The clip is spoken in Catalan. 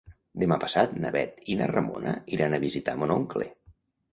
Demà passat na Bet i na Ramona iran a visitar mon oncle.